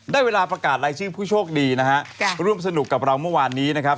ได้เวลาประกาศรายชื่อผู้โชคดีนะฮะร่วมสนุกกับเราเมื่อวานนี้นะครับ